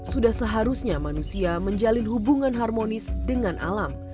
sudah seharusnya manusia menjalin hubungan harmonis dengan alam